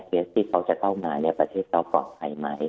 เทศที่เขาจะเข้ามาเนี่ยประเทศเขาก่อนไขมั้ย